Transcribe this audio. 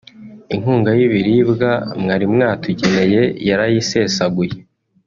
Inkunga y’ibiribwa mwari mwatugeneye yarayisesaguye